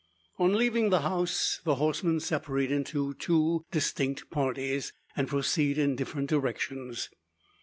On leaving the house, the horsemen separate into two distinct parties, and proceed in different directions.